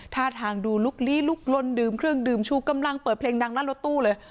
ท่าทางดูลุกลี้ลุกลนดื่มเครื่องดื่มชูกำลังเปิดเพลงดังหน้ารถตู้เลย